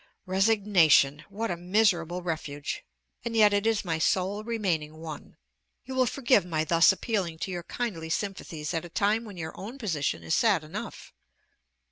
Resignation! what a miserable refuge! and yet it is my sole remaining one. You will forgive my thus appealing to your kindly sympathies at a time when your own position is sad enough.